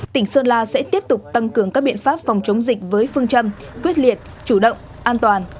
tỉnh sơn la sẽ tiếp tục tăng cường các biện pháp phòng chống dịch với phương châm quyết liệt chủ động an toàn